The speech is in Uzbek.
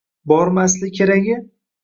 Bormi asli keragi